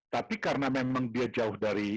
tapi karena memang dia jauh dari